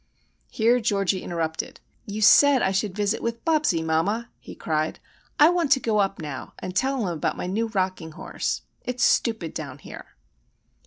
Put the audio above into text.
Here Georgie interrupted. "You said I should visit with Bobsie, mamma," he cried. "I want to go up now, and tell him about my new rocking horse. It's stupid down here."